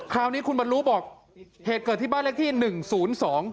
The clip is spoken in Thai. คราวนี้คุณบรรลุบอกเหตุเกิดที่บ้านเลขที่หนึ่งศูนย์สอง